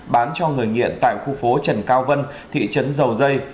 bán cho người nghiện tại khu phố trần cao vân thị trấn dầu dây